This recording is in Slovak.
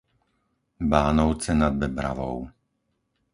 Bánovce nad Bebravou